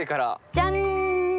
じゃん！